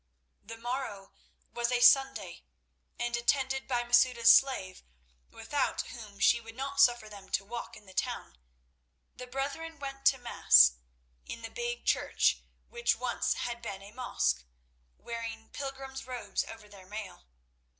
The morrow was a Sunday, and, attended by Masouda's slave, without whom she would not suffer them to walk in the town, the brethren went to mass in the big church which once had been a mosque, wearing pilgrim's robes over their mail.